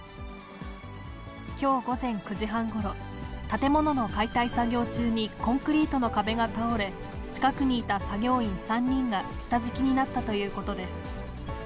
きょう午前９時半ごろ、建物の解体作業中にコンクリートの壁が倒れ、近くにいた作業員３人が下敷きになったということです。